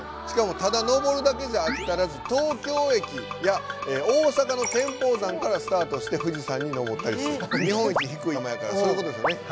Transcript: しかもただ登るだけじゃあきたらず東京駅や大阪の天保山からスタートして富士山に登ったりした日本一低い山やからそういうことですよね。